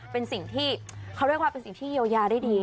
เป็นสิ่งที่คือเยาได้ดี